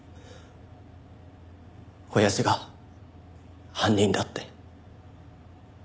親父が犯人だって。